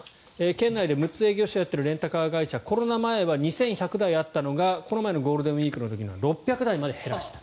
県内で６つの営業所をやっているレンタカー会社コロナ前は２１００台あったのがこの前のゴールデンウィークの時には６００台まで減らした。